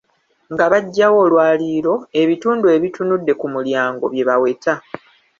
Nga baggyawo olwaliiro, ebitundu ebitunudde ku mulyango bye baweta.